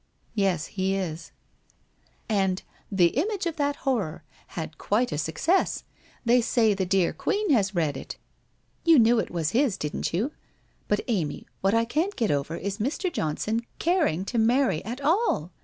'• Ye . he is/ • And " The Image of that Horror" had quite a success. They say the dear Queen has read it? You knew it was his, didn't you? But, Amy, what I can't get over is Mr. Johnson caring to marry at all!